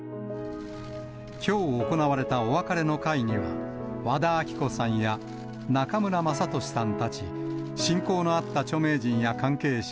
きょう行われたお別れの会には、和田アキ子さんや中村雅俊さんたち、親交のあった著名人や関係者